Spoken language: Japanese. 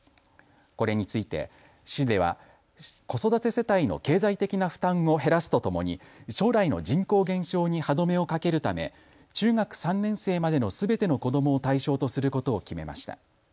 これについて市では子育て世帯の経済的な負担を減らすとともに将来の人口減少に歯止めをかけるため中学３年生までのすべての子どもを対象とすることを決めました。